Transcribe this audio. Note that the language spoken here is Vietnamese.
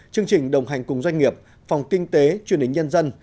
chương trình đồng hành cùng doanh nghiệp phòng kinh tế truyền hình nhân dân